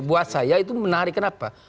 buat saya itu menarik kenapa